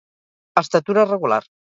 Estatura regular.